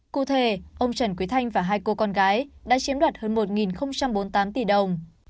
cụ thể ông trần quý thanh và hai cô con gái đã chiếm đoạt hơn một bốn mươi tám tỷ đồng